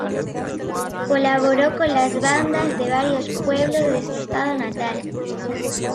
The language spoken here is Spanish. Colaboró con las bandas de varios pueblos de su estado natal.